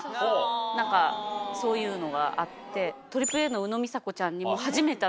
何かそういうのがあって。